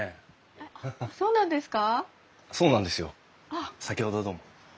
あっそうなんですか！